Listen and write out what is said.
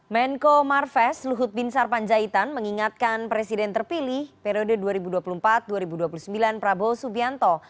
menko marves luhut binsar panjaitan mengingatkan presiden terpilih periode dua ribu dua puluh empat dua ribu dua puluh sembilan prabowo subianto